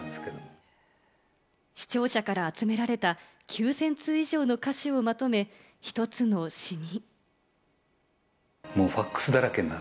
視聴者から集められた９０００通以上の歌詞をまとめ、一つの詞に。